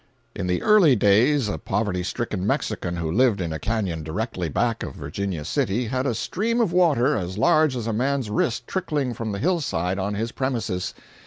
In the early days a poverty stricken Mexican who lived in a canyon directly back of Virginia City, had a stream of water as large as a man's wrist trickling from the hill side on his premises.